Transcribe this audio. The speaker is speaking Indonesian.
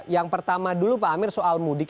yang pertama dulu pak amir soal mudik